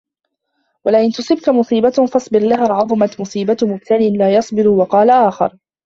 وَلَئِنْ تُصِبْكَ مُصِيبَةٌ فَاصْبِرْ لَهَا عَظُمَتْ مُصِيبَةُ مُبْتَلٍ لَا يَصْبِرُ وَقَالَ آخَرُ